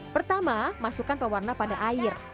pertama masukkan pewarna pada air